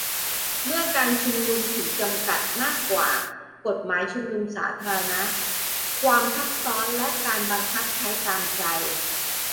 เมื่อการชุมนุม ถูกจำกัดมากกว่ากฎหมายชุมนุมสาธารณะ : ความทับซ้อนและการบังคับใช้ตามใจ